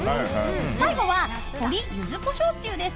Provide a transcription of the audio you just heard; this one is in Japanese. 最後は鶏ゆず胡椒つゆです。